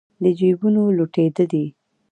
د جېبونو لوټېده دي